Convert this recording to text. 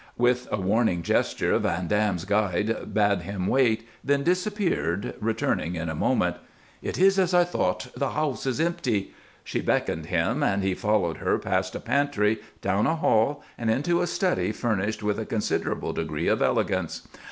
With a warning gesture Van Dam's guide bade him wait, then disappeared, returning in a moment. "It is as I thought the house is empty." She beckoned him, and he followed her past a pantry, down a hall, and into a study furnished with a considerable degree of elegance.